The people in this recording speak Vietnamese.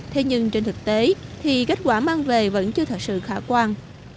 thế nhưng trên thực tế thì kết quả mang về vẫn chưa thật sự khả quan